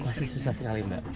pasti susah sekali mbak